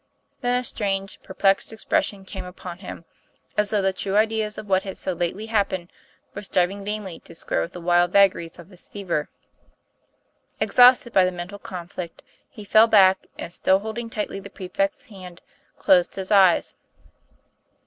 Then a strange, perplexed expression came upon him, as though the true ideas of what had so lately happened were striving vainly to square with the wild vagaries of his fever. Ex hausted by the mental conflict, he fell back and, still holding tightly the prefect's hand, closed his eyes.